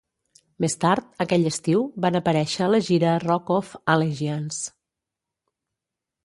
Més tard, aquell estiu, van aparèixer a la gira Rock of Allegiance.